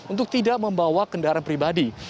untuk tidak membawa kendaraan pribadi